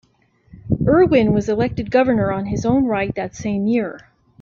Irwin was elected governor in his own right that same year.